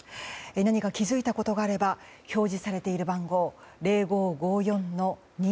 何か気づいたことがあれば表示されている番号に。